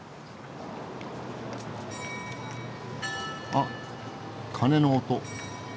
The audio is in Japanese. あっ鐘の音。